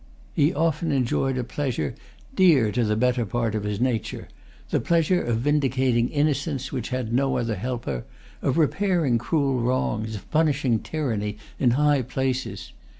He often enjoyed a pleasure dear to the better part of his nature, the pleasure of vindicating innocence which had no other helper, of repairing cruel wrongs, of punishing tyranny in high places.